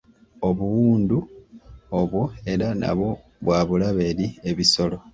Obuwundu obwo era nabwo bwa bulabe eri ebisolo.